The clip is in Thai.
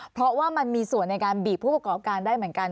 เพราะว่ามันมีส่วนในการบีบผู้ประกอบการได้เหมือนกัน